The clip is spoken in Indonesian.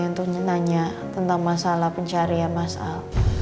untuk nanya tentang masalah pencarian mas al